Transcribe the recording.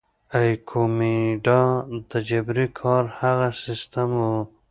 ایکومینډا د جبري کار هغه سیستم وو.